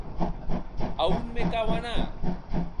A on me cau anar?